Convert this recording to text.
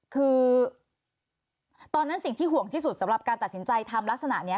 คือตอนนั้นสิ่งที่ห่วงที่สุดสำหรับการตัดสินใจทำลักษณะนี้